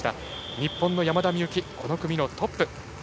日本の山田美幸、この組トップ。